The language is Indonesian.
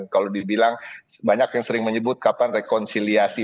kalau dibilang banyak yang sering menyebut kapan rekonsiliasi